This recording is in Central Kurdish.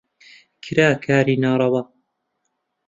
کرا کاری ناڕەوا